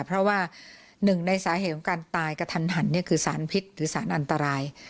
เพราะว่าหนึ่งในสาเหตุของการตายกระทันหันคือสารพิษหรือสารอันตราย